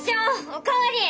お代わり！